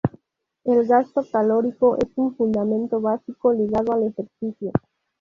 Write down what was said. El gasto calórico es un fundamento básico ligado al ejercicio.